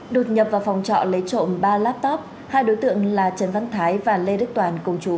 đột nhập vào phòng trọ lấy trộm ba laptop hai đối tượng là trần văn thái và lê đức toàn cùng chú